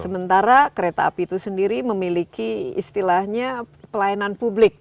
karena kereta api itu sendiri memiliki istilahnya pelayanan publik